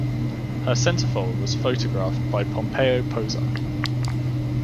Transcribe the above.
Her centerfold was photographed by Pompeo Posar.